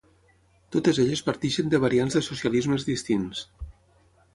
Totes elles parteixen de variants de socialismes distints.